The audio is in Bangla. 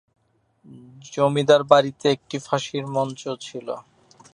জমিদার বাড়িতে একটি ফাঁসির মঞ্চ ছিল।